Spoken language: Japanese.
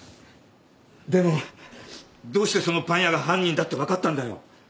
でもどうしてそのパン屋が犯人だって分かったんだよ？